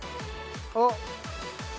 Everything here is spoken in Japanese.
おっ。